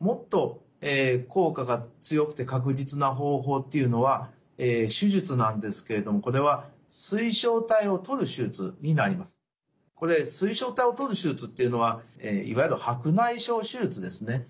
もっと効果が強くて確実な方法というのは手術なんですけれどもこれはこれ水晶体をとる手術というのはいわゆる白内障手術ですね。